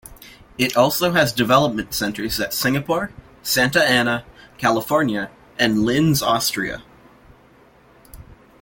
It also has development centers at Singapore, Santa Ana, California, and Linz, Austria.